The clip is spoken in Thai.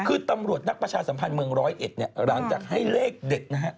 คือตำรวจนักประชาสัมพันธ์เมืองร้อยเอ็ดเนี่ยหลังจากให้เลขเด็ดนะฮะ